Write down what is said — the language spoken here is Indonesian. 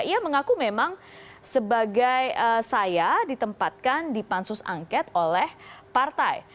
ia mengaku memang sebagai saya ditempatkan di pansus angket oleh partai